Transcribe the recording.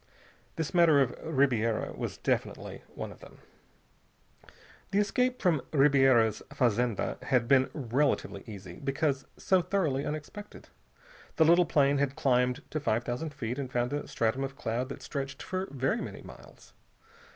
This matter of Ribiera was definitely one of them. The escape from Ribiera's fazenda had been relatively easy, because so thoroughly unexpected. The little plane had climbed to five thousand feet and found a stratum of cloud that stretched for very many miles.